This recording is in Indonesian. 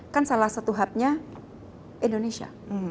kan salah satu hubnya indonesia